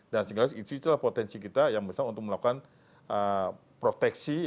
dan setidaknya disitulah potensi kita yang besar untuk melakukan proteksi